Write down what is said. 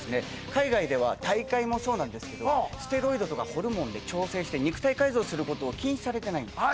海外では大会もそうなんですけどステロイドとかホルモンで調整して肉体改造することを禁止されてないんです